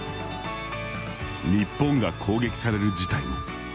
日本が攻撃される事態も。